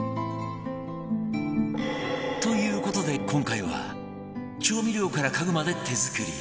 という事で今回は調味料から家具まで手作り